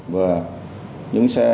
và những xe